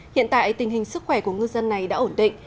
hiện tại tình hình sức khỏe của ngư dân này đã ổn định